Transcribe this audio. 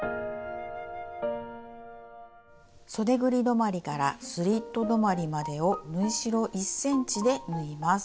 止まりからスリット止まりまでを縫い代１ｃｍで縫います。